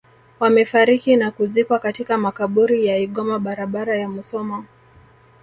Wamefariki na kuzikwa katika makaburi ya Igoma barabara ya Musoma